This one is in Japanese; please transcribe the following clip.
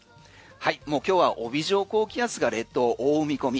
もう今日は帯状高気圧が列島を覆う見込み。